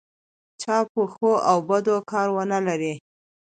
چا په ښو او بدو کار ونه لري.